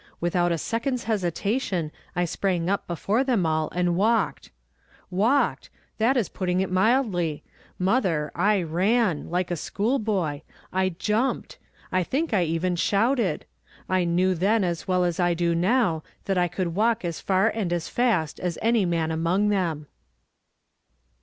Without a second's hesitation, I sprang up before them all, and walked. ' Walked !' that is "who hbaleth all thy diseases. 43 putting it mildly ; mother, I ran, like a schoolboy I jumped 1 I think I even shouted ! I knew then, as well as I do now, that I could walk as far and a6 fast as any man among them."